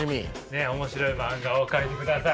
面白い漫画を描いてください。